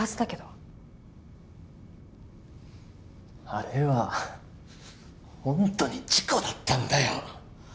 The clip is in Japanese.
あれは本当に事故だったんだよ！